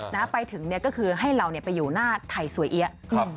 นะฮะไปถึงเนี่ยก็คือให้เราเนี่ยไปอยู่หน้าไทยสวยเอี๊ยะครับ